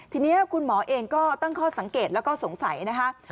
ทีนี้คุณหมอเองก็ตั้งข้อสังเกตแล้วก็สงสัยนะคะ